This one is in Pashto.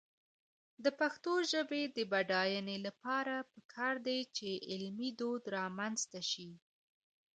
د پښتو ژبې د بډاینې لپاره پکار ده چې علمي دود رامنځته شي.